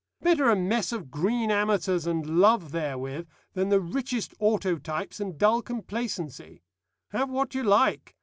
Better a mess of green amateurs and love therewith, than the richest autotypes and dull complacency. Have what you like.